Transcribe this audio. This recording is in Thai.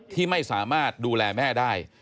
ที่ไม่สามารถดูแลแม่ได้